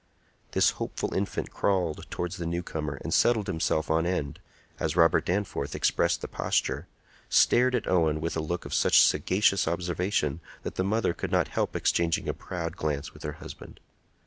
This hopeful infant crawled towards the new comer, and setting himself on end, as Robert Danforth expressed the posture, stared at Owen with a look of such sagacious observation that the mother could not help exchanging a proud glance with her husband.